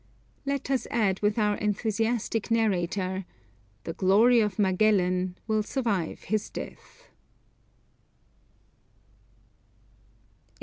Let us add with our enthusiastic narrator, "The glory of Magellan will survive his death."